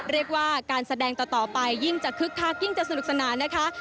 เรียกว่าการแสดงต่อไปยิ่งจะคึกคักยิ่งจะสนุกสนานนะคะ